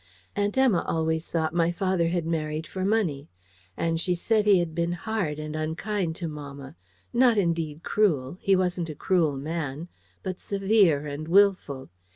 Aunt Emma always thought my father had married for money: and she said he had been hard and unkind to mamma: not indeed cruel; he wasn't a cruel man; but severe and wilful.